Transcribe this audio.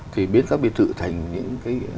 thì biến các biệt thự thành những cái